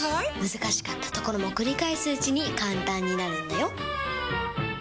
難しかったところも繰り返すうちに簡単になるんだよ！